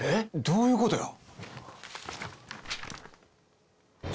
どういうことや？